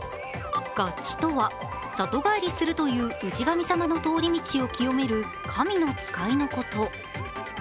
ガッチとは、里帰りするという氏神様の通り道を清める神の使いのこと。